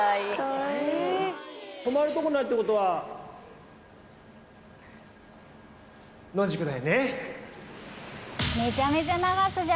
泊まるとこないってことは野宿だよね。